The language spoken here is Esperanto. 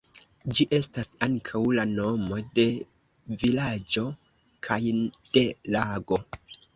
Ĝi estas ankaŭ la nomo de vilaĝo kaj de lago.